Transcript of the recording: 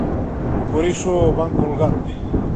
E por iso van colgarme.